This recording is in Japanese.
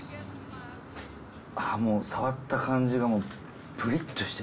ああもう触った感じがプリっとして。